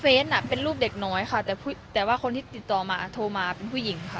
เป็นลูกเด็กน้อยค่ะแต่ว่าคนที่ติดต่อมาโทรมาเป็นผู้หญิงค่ะ